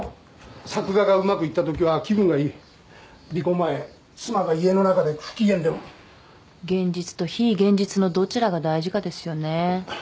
作画がうまくいったときは気分がいい離婚前妻が家の中で不機嫌でも現実と非現実のどちらが大事かですよね